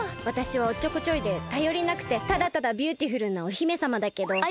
わたしはおっちょこちょいでたよりなくてただただビューティフルなお姫さまだけど。